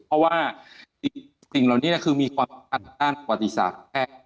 เพราะว่าสิ่งเหล่านี้คือมีความอัดอ้านประวัติศาสตร์